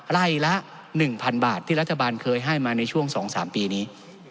ไร่ละ๑๐๐๐บาทที่รัฐบาลเคยให้มาในช่วง๒๓ปีนี้